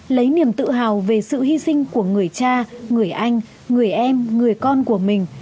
lấy niềm tự hào về sự hy sinh của người cha người anh người em người con của mình